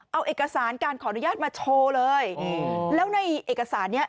เอาเอกสารการขออนุญาตมาโชว์เลยแล้วในเอกสารเนี้ย